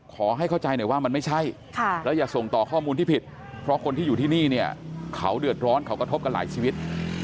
ขอให้เข้าใจหน่อยว่ามันไม่ใช่แล้วอย่าส่งต่อข้อมูลที่ผิดเพราะคนที่อยู่ที่นี่เนี่ยเขาเดือดร้อนเขากระทบกันหลายชีวิต